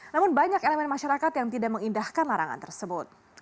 namun banyak elemen masyarakat yang tidak mengindahkan larangan tersebut